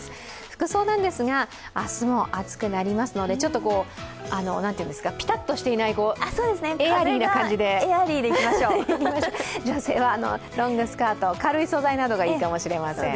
服装なんですが、明日も暑くなりますので、ピタッとしてない、エアリーな感じで女性はロングスカート、軽い素材などがいいかもしれません。